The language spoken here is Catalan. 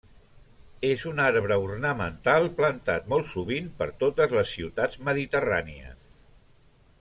És un arbre ornamental plantat molt sovint per totes les ciutats mediterrànies.